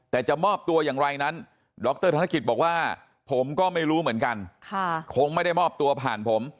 แต่จะมอบตัวอย่างไรนั้นดรธนกิจบอกว่าผมก็ไม่รู้เหมือนกันคงไม่ได้มอบตัวผ่านผม